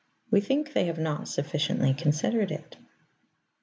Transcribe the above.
We think they have not sufficiently considered it.